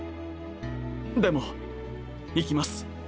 でも行きます。